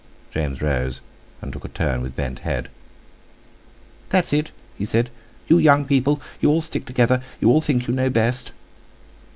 James rose, and took a turn with bent head. "That's it'," he said, "you young people, you all stick together; you all think you know best!"